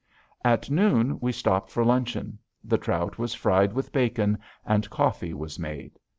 At noon we stopped for luncheon. The trout was fried with bacon, and coffee was made.